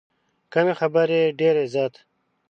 کمې خبرې، ډېر عزت.